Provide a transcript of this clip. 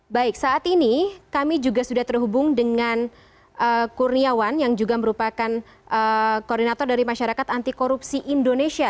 baik saat ini kami juga sudah terhubung dengan kurniawan yang juga merupakan koordinator dari masyarakat anti korupsi indonesia